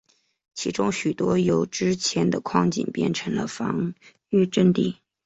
其中许多是由之前的矿井变成了防御阵地。